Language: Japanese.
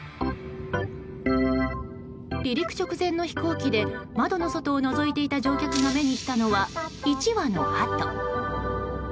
離陸直前の飛行機で窓の外をのぞいていた乗客が目にしたのは１羽のハト。